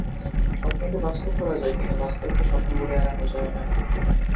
স্বপ্নকে বাস্তব করা যায়, কিন্তু বাস্তবকে স্বপ্ন বলে এড়ানো যায় না।